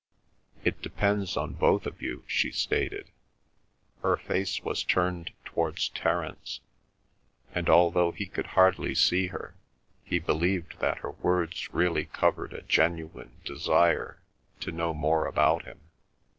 "It depends on both of you," she stated. Her face was turned towards Terence, and although he could hardly see her, he believed that her words really covered a genuine desire to know more about him.